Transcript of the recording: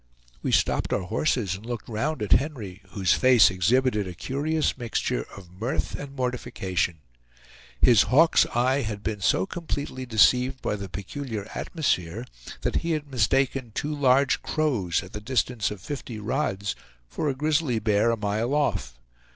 We stopped our horses and looked round at Henry, whose face exhibited a curious mixture of mirth and mortification. His hawk's eye had been so completely deceived by the peculiar atmosphere that he had mistaken two large crows at the distance of fifty rods for a grizzly bear a mile off.